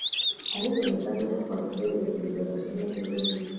ariko nasabye ko twategereza kugeza Gashema ageze hano.